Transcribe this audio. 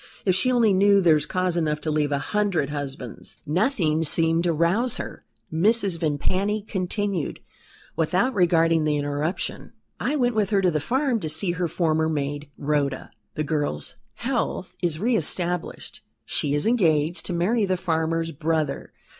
If she only knew, there's cause enough to leave a hundred husbands." "Nothing seemed to rouse her," Mrs. Vimpany continued, without regarding the interruption. "I went with her to the farm to see her former maid, Rhoda. The girl's health is re established; she is engaged to marry the farmer's brother.